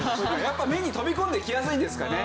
やっぱ目に飛び込んできやすいんですかね